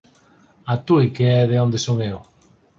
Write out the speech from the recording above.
A Tui, que é de onde son eu.